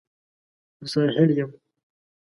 زه ساحل یم